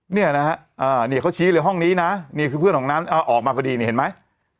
เนี่ยนะฮะนี่เขาชี้เลยห้องนี้นะนี่คือเพื่อนของน้ำเอาออกมาพอดีนี่เห็นไหม